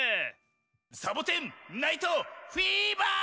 「サボテン・ナイト・フィーバー」！